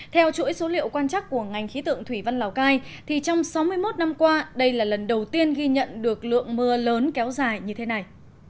theo chuỗi số liệu quan trắc của ngành khí tượng thủy văn lào cai thì trong sáu mươi một năm qua đây là lần đầu tiên ghi nhận được lượng mưa lớn kéo dài như thế này